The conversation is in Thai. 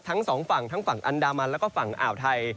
ทั้งสองฝั่งทั้งฝั่งอันดามันแล้วก็ฝั่งอ่าวไทย